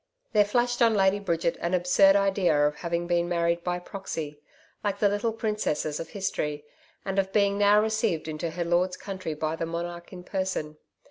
There flashed on Lady Bridget an absurd idea of having been married by proxy like the little princesses of history and of being now received into her lord's country by the monarch in person.